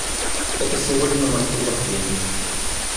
– Это сегодня на Москву последний.